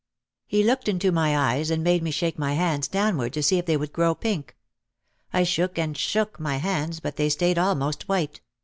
He looked into my eyes and made me shake my hands downward to see if they would grow pink. I shook and shook my hands but they stayed almost white.